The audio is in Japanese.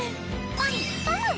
パムパム！